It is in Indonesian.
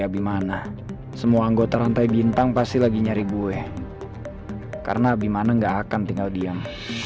bimana semua anggota rantai bintang pasti lagi nyari gue karena bimana nggak akan tinggal diam